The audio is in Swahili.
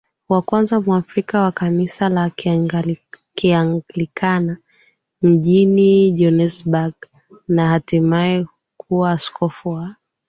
wa kwanza mwafrika wa kanisa la Kianglikana mjini Johannesburg na hatimae kuwa askofu wa